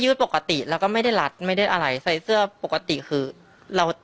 ปกติแล้วก็ไม่ได้รัดไม่ได้อะไรใส่เสื้อปกติคือเรา